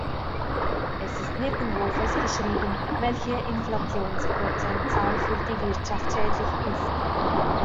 Es ist nirgendwo festgeschrieben, welche Inflationsprozentzahl für die Wirtschaft schädlich ist.